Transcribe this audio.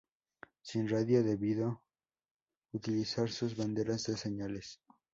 Sin radio, debió utilizar sus banderas de señales.